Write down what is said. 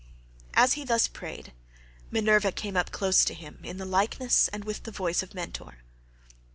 As he thus prayed, Minerva came close up to him in the likeness and with the voice of Mentor.